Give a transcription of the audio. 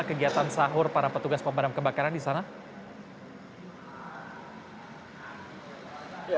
kegiatan sahur para petugas pemadam kebakaran di sana